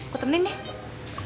aku temenin deh